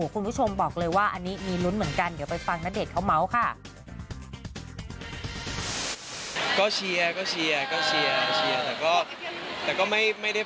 คุณผู้ชมบอกเลยว่าอันนี้มีลุ้นเหมือนกันเดี๋ยวไปฟังณเดชนเขาเมาส์ค่ะ